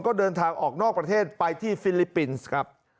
ก็เดินทางออกนอกประเทศไปที่ฟิลิปปินส์ครับ